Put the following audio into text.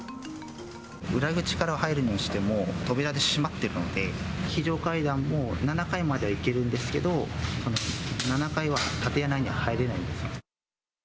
裏口から入るにしても、扉で閉まってるんで、非常階段も７階までは行けるんですけど、７階は建物内に入れないんです。